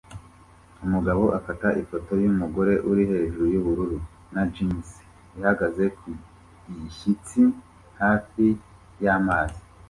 Umugabo afata ifoto yumugore uri hejuru yubururu na jans ihagaze ku gishyitsi hafi y’amazi